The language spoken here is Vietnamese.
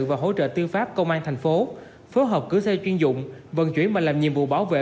và hỗ trợ tư pháp công an thành phố phối hợp cử xe chuyên dụng vận chuyển và làm nhiệm vụ bảo vệ